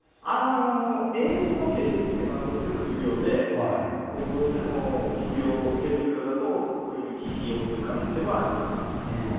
エンジンの整備というのはとっても重要で、どうしても不良、整備不良だと、こういうふうに火をふく可能性はありますね。